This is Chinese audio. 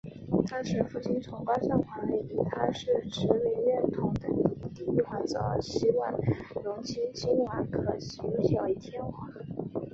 当时父亲崇光上皇以他是持明院统的嫡第一皇子而希望荣仁亲王可以即位为天皇。